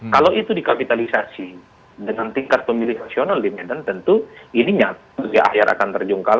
kalau itu dikapitalisasi dengan tingkat pemilih rasional di medan tentu ini nyata di akhir akan terjungkal